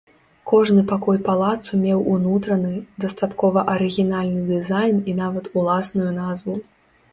Кожны пакой палацу меў унутраны, дастаткова арыгінальны дызайн і нават уласную назву.